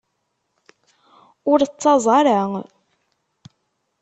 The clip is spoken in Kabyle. Ur ttaẓ ara.